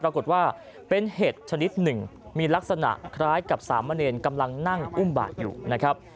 ปรากฏว่าเป็นเห็ดชนิดหนึ่งมีลักษณะคล้ายกับสามเณรกำลังนั่งอุ้มบาดอยู่นะครับ